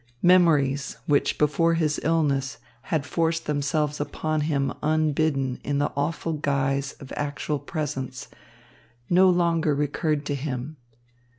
Memories, which before his illness had forced themselves upon him unbidden in the awful guise of actual presence, no longer recurred to him.